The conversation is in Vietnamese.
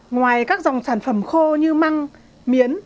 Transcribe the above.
ngoài các dòng sản phẩm khô như măng miến